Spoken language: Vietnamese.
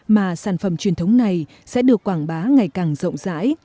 mà sản phẩm truyền thống này sẽ được quảng bá ngày càng rộng rãi